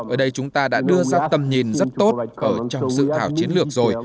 ở đây chúng ta đã đưa ra tầm nhìn rất tốt ở trong dự thảo chiến lược rồi